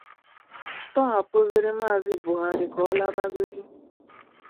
tọhapụzịrị Maazị Buhari ka ọ labagodi